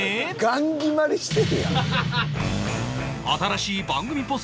ガンギマりしてるやん。